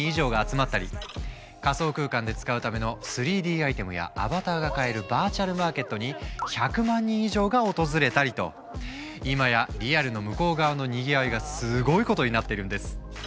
仮想空間で使うための３Ｄアイテムやアバターが買えるバーチャルマーケットにいまやリアルの向こう側のにぎわいがすごいことになっているんです。